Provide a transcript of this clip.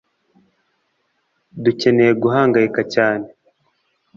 dukeneye guhangayika gake